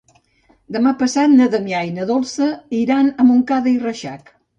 Demà passat na Damià i na Dolça iran a Montcada i Reixac.